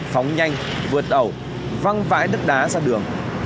phóng nhanh vượt ẩu văng vãi đất đá ra đường